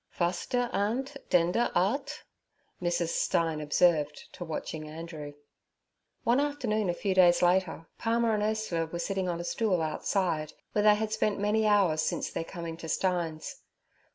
'Fust der 'andt, den der 'ardt' Mrs. Stein observed to watching Andrew. One afternoon a few days later, Palmer and Ursula were sitting on a stool outside, where they had spent many hours since their coming to Stein's.